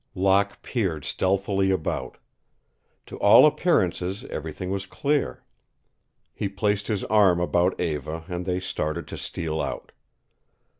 Locke peered stealthily about. To all appearances everything was clear. He placed his arm about Eva and they started to steal out.